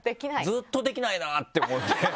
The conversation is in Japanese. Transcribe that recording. ずっとできないなって思って。